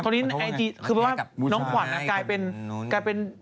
ตอนนี้ในไอจีคือว่าน้องขวัญกลายเป็น